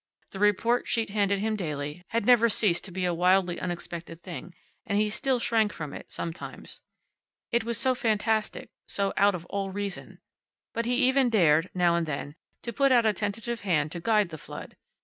The report sheet handed him daily had never ceased to be a wildly unexpected thing, and he still shrank from it, sometimes. It was so fantastic, so out of all reason. But he even dared, now and then, to put out a tentative hand to guide the flood.